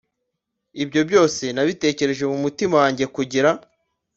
Ibyo byose nabitekereje mu mutima wanjye kugira